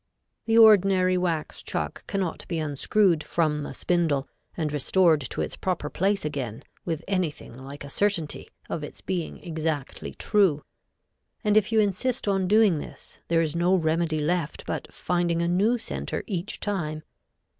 The ordinary wax chuck cannot be unscrewed from the spindle and restored to its proper place again with anything like a certainty of its being exactly true, and if you insist on doing this there is no remedy left but finding a new center each time.